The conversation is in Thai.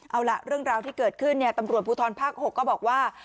เอาล่ะเรื่องราวที่เกิดขึ้นตำรวจภูทรภาค๖ก็บอกว่า